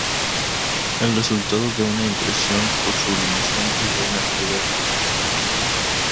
El resultado de una impresión por sublimación es de una calidad muy alta.